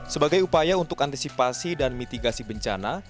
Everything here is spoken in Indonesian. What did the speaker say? sebagai upaya untuk antisipasi dan mitigasi bencana